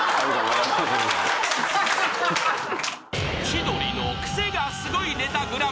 ［『千鳥のクセがスゴいネタＧＰ』］